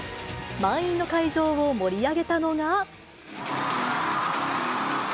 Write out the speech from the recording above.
満員の会場を盛り上げたのが。